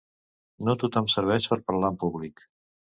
No tothom serveix per parlar en públic.